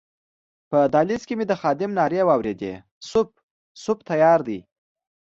په دهلېز کې مې د خادم نارې واورېدې سوپ، سوپ تیار دی.